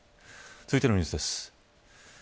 続いてのニュースです。